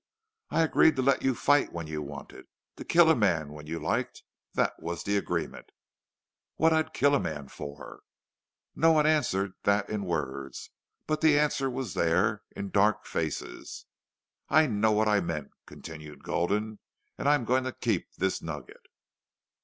I agreed to let you fight when you wanted. To kill a man when you liked!... That was the agreement." "What'd I kill a man for?" No one answered that in words, but the answer was there, in dark faces. "I know what I meant," continued Gulden. "And I'm going to keep this nugget."